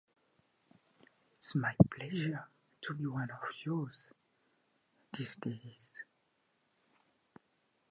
The floors are of stone and mosaic.